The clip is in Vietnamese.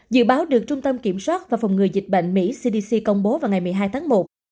dự báo được trung tâm kiểm soát và phòng ngừa dịch bệnh mỹ cdc công bố vào ngày một mươi hai tháng một